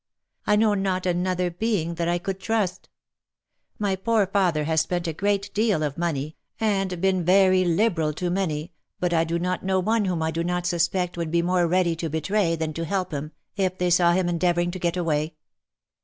I know not another being that I could trust. My poor father has spent a great deal of money, and been very liberal to many, but I do not know one whom I do not suspect would be more ready to betray, than to help him, if they saw him endeavouring to get away.